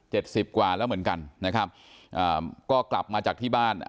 สิบกว่าแล้วเหมือนกันนะครับอ่าก็กลับมาจากที่บ้าน